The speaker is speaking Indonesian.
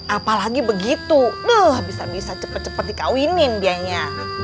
apalagi begitu bisa bisa cepet cepet dikawinin dia nya